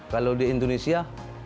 kalau di indonesia